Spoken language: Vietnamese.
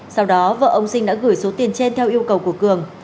sau đó vợ ông sinh đã gửi số tiền trên theo yêu cầu của cường